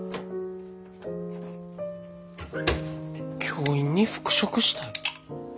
教員に復職したい？